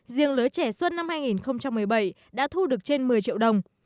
riêng lứa trẻ xuân năm hai nghìn một mươi bảy đã thu được trên một mươi triệu đồng